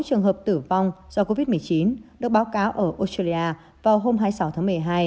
sáu trường hợp tử vong do covid một mươi chín được báo cáo ở australia vào hôm hai mươi sáu tháng một mươi hai